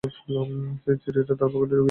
চিঠিটা তার পকেটে ঢুকিয়ে দে।